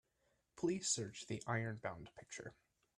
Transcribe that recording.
Please search the Ironbound picture.